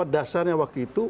dasarnya waktu itu